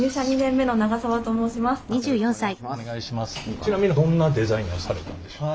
ちなみにどんなデザインをされたんでしょう？